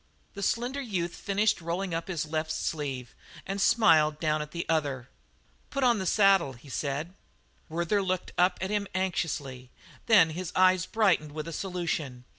The slender youth finished rolling up his left sleeve and smiled down at the other. "Put on the saddle," he said. Werther looked at him anxiously; then his eyes brightened with a solution.